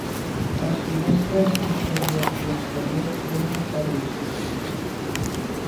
Les finestres interiors i exteriors tenen pedrissos.